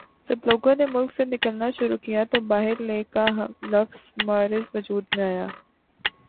جب لوگوں نے ملک سے نکلنا شروع کیا تو باہرلے کا لفظ معرض وجود میں آیا